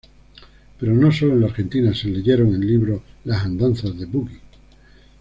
Pero no sólo en la Argentina se leyeron en libros las andanzas de Boogie.